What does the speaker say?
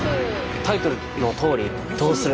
タイトルのとおりどうする？